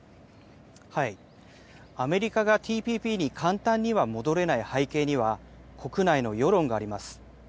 アメリカがＴＰＰに簡単には戻れない背景には、国内の世論があります。